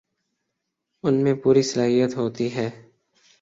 ان میں پوری صلاحیت ہوتی ہے